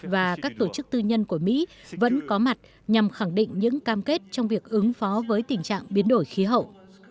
và các tổ chức tư nhân của mỹ vẫn có mặt nhằm khẳng định những cam kết trong việc ứng phó với tình trạng biến đổi khí hậu